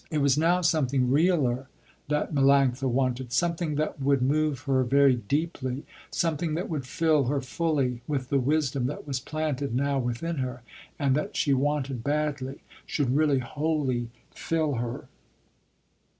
It was now something realler that Melanctha wanted, something that would move her very deeply, something that would fill her fully with the wisdom that was planted now within her, and that she wanted badly, should really wholly fill her.